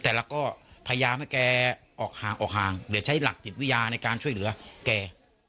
แต่เราก็พยายามให้แกออกห่างออกห่างเดี๋ยวใช้หลักจิตวิทยาในการช่วยเหลือแก